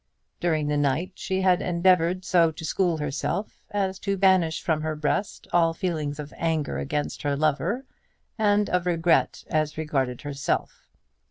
During the night she had endeavoured so to school herself as to banish from her breast all feelings of anger against her lover, and of regret as regarded herself.